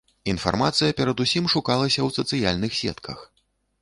Інфармацыя перадусім шукалася ў сацыяльных сетках.